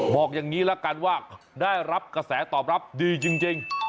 บอกอย่างนี้ละกันว่าได้รับกระแสตอบรับดีจริง